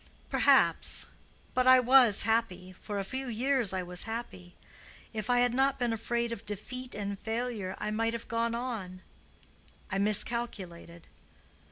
"Perhaps—but I was happy—for a few years I was happy. If I had not been afraid of defeat and failure, I might have gone on. I miscalculated.